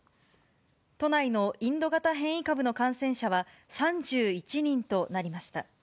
都内のインド型変異株の感染者は３１人となりました。